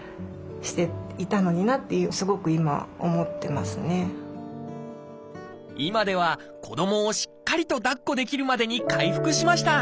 もし今では子どもをしっかりと抱っこできるまでに回復しました。